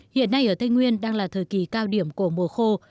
hiện nay ở tây nguyên đang là thời kỳ cao điểm của mùa khô